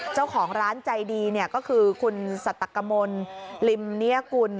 เจ้าของร้านใจดีก็คือคุณสัตกมลลิมเนียกุล